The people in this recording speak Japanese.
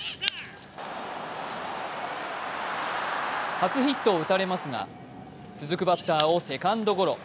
初ヒットを打たれますが、続くバッターをセカンドゴロ。